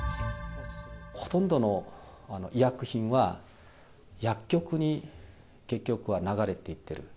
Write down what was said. ほとんどの医薬品は、薬局に結局は流れていってる。